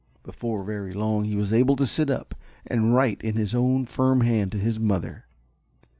Before very long he was able to sit up and write in his own firm hand to his mother.